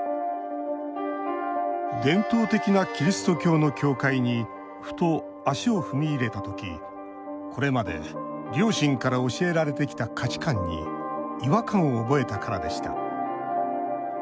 伝統的なキリスト教の教会にふと足を踏み入れた時これまで両親から教えられてきた価値観に違和感を覚えたからでした。